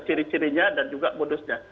ciri cirinya dan juga modusnya